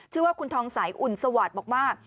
ชื่อว่าคุณทองใสอุ่นสวัสดิ์บอกว่า